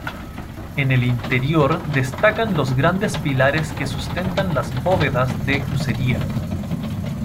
En el interior destacan los grandes pilares que sustentan las bóvedas de crucería.